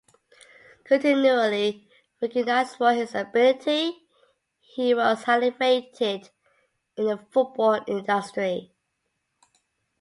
Continually recognised for his ability he was highly rated in the football industry.